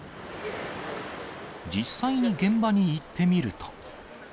実際に現場に行ってみると。